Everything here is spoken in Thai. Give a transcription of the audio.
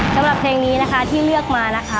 สำหรับเพลงนี้นะคะที่เลือกมานะคะ